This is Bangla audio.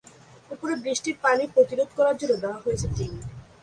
ওপরে বৃষ্টির পানি প্রতিরোধ করার জন্য দেওয়া হয়েছে টিন।